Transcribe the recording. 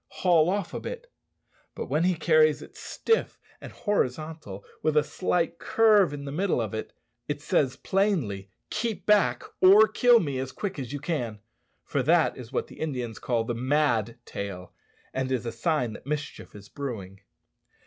haul off a bit!" But when he carries it stiff and horizontal, with a slight curve in the middle of it, it says plainly, "Keep back, or kill me as quick as you can," for that is what Indians call the mad tail, and is a sign that mischief is brewing.